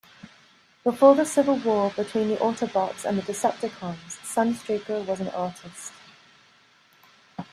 Before the civil war between the Autobots and the Decepticons, Sunstreaker was an artist.